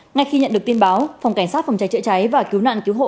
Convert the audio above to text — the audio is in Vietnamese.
ngay khi nhận được tin báo phòng cảnh sát phòng cháy chữa cháy và cứu nạn cứu hộ